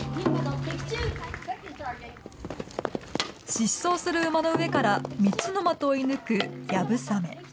疾走する馬の上から３つの的をいぬくやぶさめ。